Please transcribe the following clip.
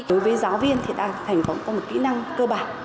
đối với giáo viên thì ta thành phong có một kỹ năng cơ bản